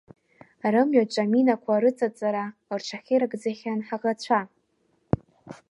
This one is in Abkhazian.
Рымҩаҿы аминақәа рыҵаҵара рҽахьырыгӡахьан ҳаӷацәа.